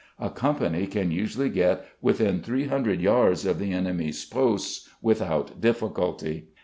A company can usually get within 300 yards of the enemy's posts without difficulty.